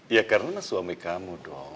ya karena suami kamu dong